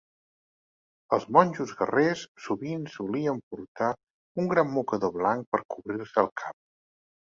Els monjos guerrers sovint solien portar un gran mocador blanc per cobrir-se el cap.